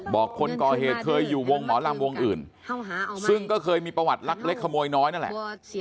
คนก่อเหตุเคยอยู่วงหมอลำวงอื่นซึ่งก็เคยมีประวัติลักเล็กขโมยน้อยนั่นแหละ